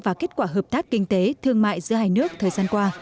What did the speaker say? và kết quả hợp tác kinh tế thương mại giữa hai nước thời gian qua